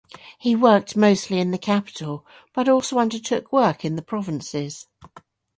He worked mostly in the capital but also undertook work in the provinces.